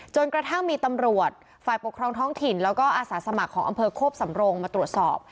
จนกระทั่งมีตำรวจฝ่ายปกครองท้องถิ่นแล้วก็อาสาสมัครของอำเภอโคกสำโรงมาตรวจสอบ